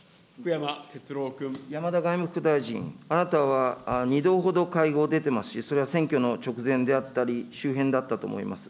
山田外務副大臣、あなたは２度ほど会合出てますし、それは選挙の直前であったり、周辺だったと思います。